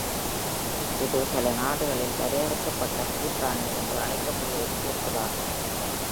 இது பல நாடுகளில், வரையறுக்கப்பட்ட கூட்டாண்மை என்று அழைக்கப்படுவதற்கு ஒத்ததாகும்.